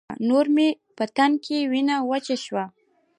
نور مې په تن کې وينه وچه شوه.